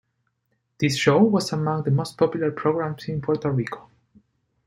This show was among the most popular programs in Puerto Rico.